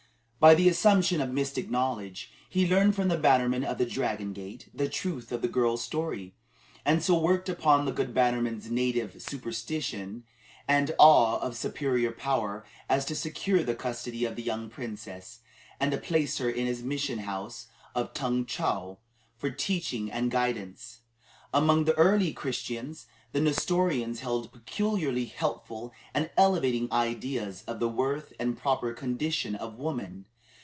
By the assumption of mystic knowledge, he learned from the bannerman of the Dragon Gate, the truth of the girl's story, and so worked upon the good bannerman's native superstition and awe of superior power as to secure the custody of the young princess, and to place her in his mission house at Tung Chow for teaching and guidance. Among the early Christians, the Nestorians held peculiarly helpful and elevating ideas of the worth and proper condition of woman.